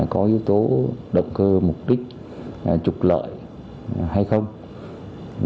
có yếu tố động cơ mục đích trục lợi hay không